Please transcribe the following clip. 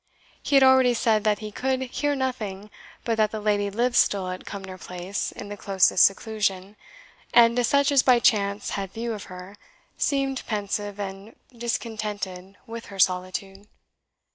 He had already said that he could hear nothing but that the lady lived still at Cumnor Place in the closest seclusion, and, to such as by chance had a view of her, seemed pensive and discontented with her solitude.